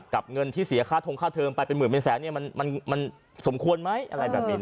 กับเงินที่เสียค่าทงค่าเทิมไปเป็น๑๐๐๐เป็นแสนสมควรไหม